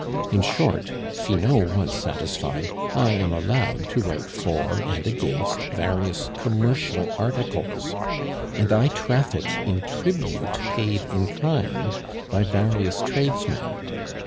In short, Finot once satisfied, I am allowed to write for and against various commercial articles, and I traffic in tribute paid in kind by various tradesmen.